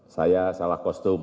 saya salah kostum